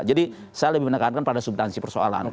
jadi saya lebih menekankan pada subtansi persoalan